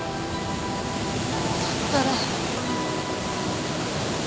だったら。